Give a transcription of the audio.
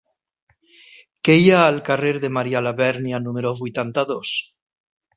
Què hi ha al carrer de Marià Labèrnia número vuitanta-dos?